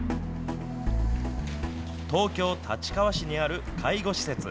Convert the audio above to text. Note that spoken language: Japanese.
東京・立川市にある介護施設。